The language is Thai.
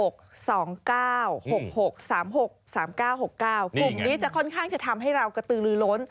กลุ่มนี้จะค่อนข้างจะทำให้เรากระตือลือล้น